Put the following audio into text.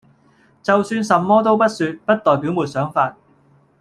就算什麼都不說，不代表沒想法